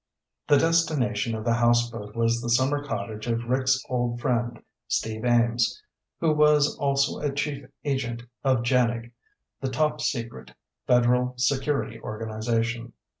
The destination of the houseboat was the summer cottage of Rick's old friend, Steve Ames, who was also a chief agent of JANIG, the top secret Federal security organization.